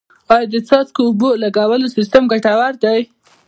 آیا د څاڅکي اوبو لګولو سیستم ګټور دی؟